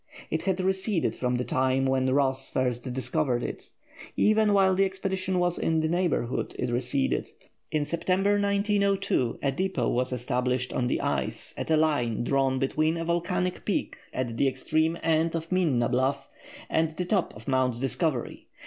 It had receded from the time when Ross first discovered it. Even while the expedition was in the neighbourhood it receded. In September 1902, a depôt was established on the ice at a line drawn between a volcanic peak at the extreme end of Minna Bluff and the top of Mount Discovery.